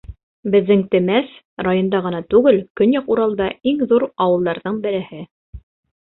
— Беҙҙең Темәс — районда ғына түгел, Көньяҡ Уралда иң ҙур ауылдарҙың береһе.